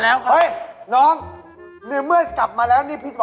แฟนผมกลับมาแล้วครับ